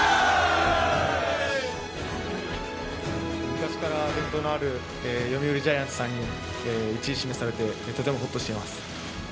昔から伝統のある読売ジャイアンツさんに１位指名されてとてもホッとしています。